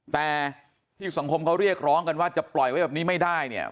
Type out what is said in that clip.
แต่ที่สังคมเขาเรียกร้องกันว่าจะปล่อยไว้แบบนี้ไม่ได้เนี่ย